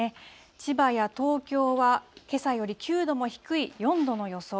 千葉や東京はけさより９度も低い４度の予想。